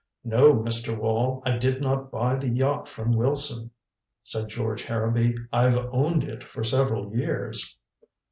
"No, Mr. Wall, I did not buy the yacht from Wilson," said George Harrowby. "I've owned it for several years."